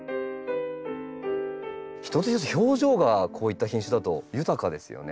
一つ一つ表情がこういった品種だと豊かですよね。